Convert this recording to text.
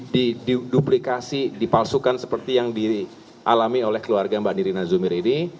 diduplikasi dipalsukan seperti yang dialami oleh keluarga mbak nirina zumir ini